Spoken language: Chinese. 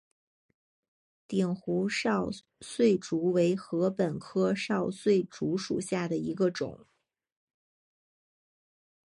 鼎湖少穗竹为禾本科少穗竹属下的一个种。